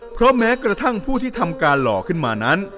เพราะแม้กระทั่งผู้ที่ทำการหล่อขึ้นมานั้น